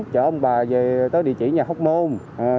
chở ông bà về tới địa chỉ nhà hóc môn